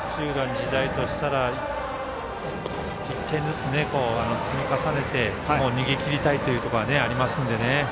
日大としたら１点ずつ積み重ねて逃げ切りたいというところがありますので。